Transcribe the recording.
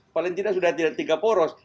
paling tidak sudah tidak tiga poros